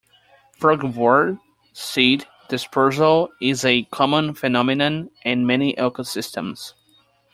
Frugivore seed dispersal is a common phenomenon in many ecosystems.